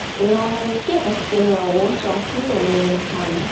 Inaangukia katika eneo la uoto wa asili wa maeneo makame